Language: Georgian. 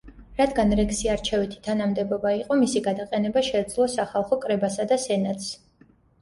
რადგან რექსი არჩევითი თანამდებობა იყო, მისი გადაყენება შეეძლო სახალხო კრებასა და სენატს.